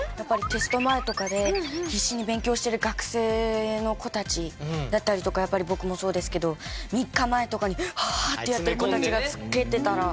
テスト前とかで必死に勉強してる学生の子たちだったりとかやっぱり僕もそうですけど３日前とかに「ああっ！」ってやってる子たちがつけてたら。